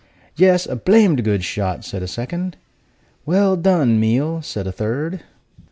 "Yes, a blamed good shot!" said a second. "Well done, Meal!" said a third.